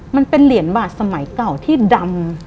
มันเป็นเหรียญบาทสมัยเก่าที่ดำ